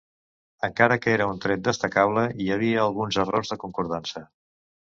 Encara que era un tret destacable, hi havia alguns errors de concordança.